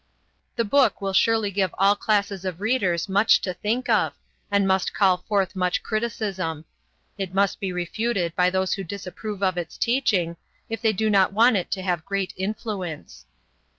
The book will surely give all classes of readers much to think of, and must call forth much criticism. It must be refuted by those who disapprove of its teaching, if they do not want it to have great influence.